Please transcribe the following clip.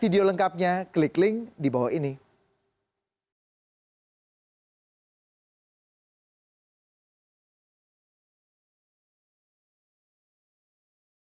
terima kasih mas